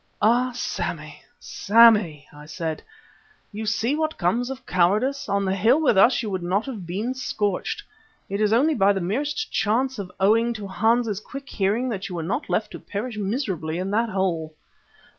"Ah! Sammy, Sammy," I said, "you see what comes of cowardice? On the hill with us you would not have been scorched, and it is only by the merest chance of owing to Hans's quick hearing that you were not left to perish miserably in that hole."